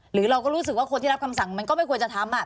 หรือเราก็รู้สึกว่าคนที่รับคำสั่งมันก็ไม่ควรจะทำ